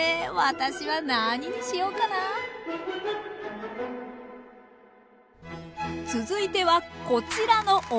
私は何にしようかな続いてはこちらのおすし。